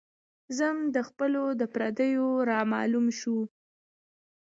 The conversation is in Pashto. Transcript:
ذم د خپلو د پرديو را معلوم شو